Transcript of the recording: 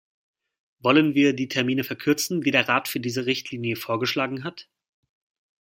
Wollen wir die Termine verkürzen, die der Rat für diese Richtlinie vorgeschlagen hat?